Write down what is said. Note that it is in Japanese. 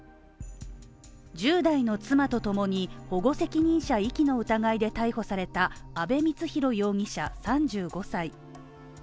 １０代の妻とともに保護責任者遺棄の疑いで逮捕された阿部光浩容疑者３５歳。